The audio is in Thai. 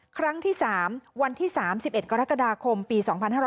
ครั้งที่๓วันที่๓๑กรกฎาคมปี๒๕๕๙